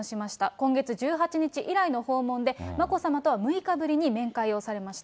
今月１８日以来の訪問で、眞子さまとは６日ぶりに面会をされました。